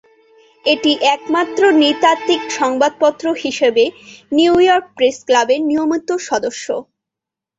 এটি একমাত্র নৃতাত্ত্বিক সংবাদপত্র হিসাবে নিউইয়র্ক প্রেস ক্লাবের নিয়মিত সদস্য।